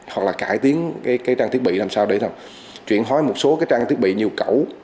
hoặc là cải tiến trang thiết bị làm sao để chuyển hóa một số trang thiết bị nhiều cẩu